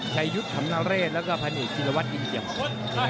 ชายุทธรรมนาเลแล้วก็ภัณฑ์อิจรวรรษอีเกียบ